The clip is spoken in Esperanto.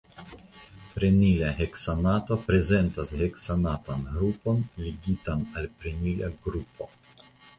Prenila heksanato prezentas heksanatan grupon ligitan al prenila grupo.